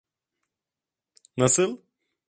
Nasıl...